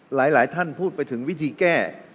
หลายท่านพูดไปถึงวิธีแก้